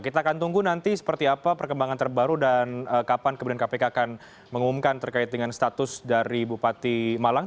kita akan tunggu nanti seperti apa perkembangan terbaru dan kapan kemudian kpk akan mengumumkan terkait dengan status dari bupati malang